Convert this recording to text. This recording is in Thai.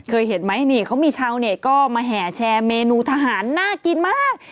เคยเห็นไหมนี่เขามีชาวเน็ตก็มาแห่แชร์เมนูทหารน่ากินมาก